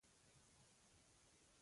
مجاهد د دښمن پر وړاندې بیدار وي.